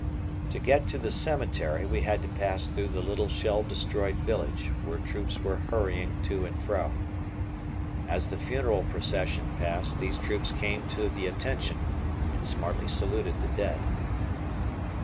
To get to the cemetery, we had to pass through the little shell destroyed village, where troops were hurrying to and fro. As the funeral procession passed, these troops came to the "attention," and smartly saluted the dead.